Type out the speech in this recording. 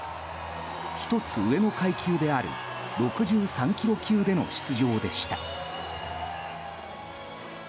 １つ上の階級である６３ｋｇ級での出場でした。